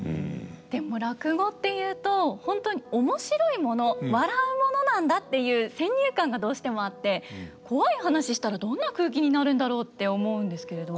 でも落語っていうと本当に面白いもの笑うものなんだっていう先入観がどうしてもあってコワい話したらどんな空気になるんだろうって思うんですけれど。